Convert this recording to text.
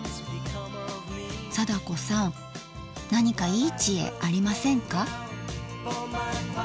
貞子さん何かいい知恵ありませんか？